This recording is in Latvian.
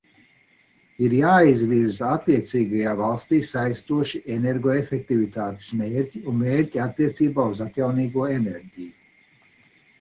Ir jāizvirza attiecīgajā valstī saistoši energoefektivitātes mērķi un mērķi attiecībā uz atjaunīgo enerģiju.